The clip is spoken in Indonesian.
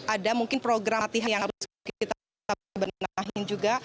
ada mungkin program latihan yang harus kita benahin juga